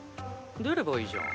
出ればいいじゃん。